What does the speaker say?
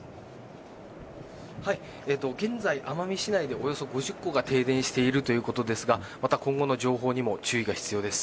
現在、奄美市内でおよそ５０戸が停電しているということですが今後の情報にも注意が必要です。